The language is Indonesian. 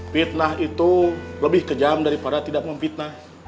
fitnah itu lebih kejam daripada tidak memfitnah